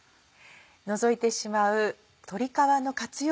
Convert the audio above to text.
除いてしまう鶏皮の活用